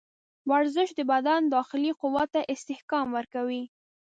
ورزش د بدن داخلي قوت ته استحکام ورکوي.